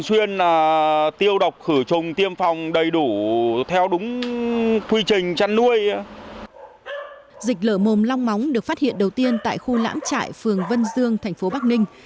dịch lở mồm long móng được phát hiện đầu tiên tại khu lãm trại phường vân dương thành phố bắc ninh